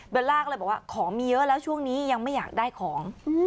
ล่าก็เลยบอกว่าของมีเยอะแล้วช่วงนี้ยังไม่อยากได้ของ